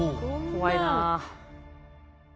怖いな。